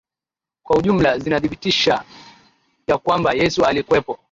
Kwa ujumla zinathibitisha ya kwamba Yesu alikuwepo